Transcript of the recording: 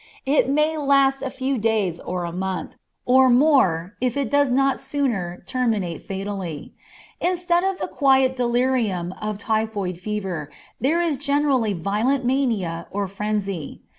It may last a few days or a month, or more, if it does not sooner terminate fatally. Instead of the quiet delirium of typhoid fever there is generally violent mania or frenzy.